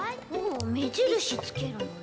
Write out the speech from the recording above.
めじるしつけるのね。